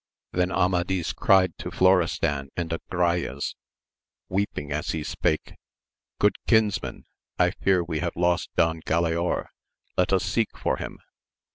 Then Amadis cried to Florestan and Agrayes, weep ing as he spake. Good kinsmen, I fear we have lost Don Galaor, let us seek for him.